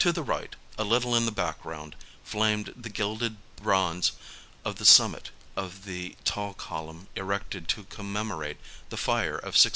To the right, a little in the background, flamed the gilded bronze of the summit of the tall column erected to commemorate the Fire of 1666.